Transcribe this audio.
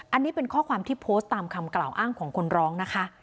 อันนี้เป็นข้อความที่โพสต์ตามคำกล่าวอ้างของคนร้องนะคะ